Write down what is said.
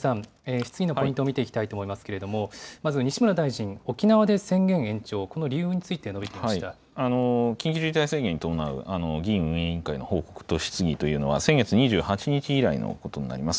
質疑のポイント、見ていきたいと思いますけれども、まず西村大臣、沖縄で宣言延長、こ緊急事態宣言に伴う議院運営委員会の報告と質疑というのは、先月２８日以来のことになります。